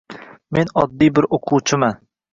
Men oddiy bir o`quvchiman